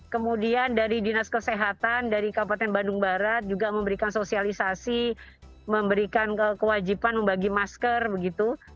kemudian dari dinas kesehatan dari kabupaten bandung barat juga memberikan sosialisasi memberikan kewajiban membagi masker begitu